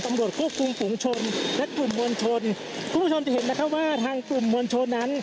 ควบคุมฝุงชนและกลุ่มมวลชนคุณผู้ชมจะเห็นนะคะว่าทางกลุ่มมวลชนนั้น